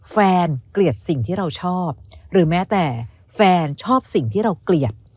เกลียดสิ่งที่เราชอบหรือแม้แต่แฟนชอบสิ่งที่เราเกลียด